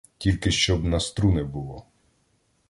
Тільки щоб на струни було!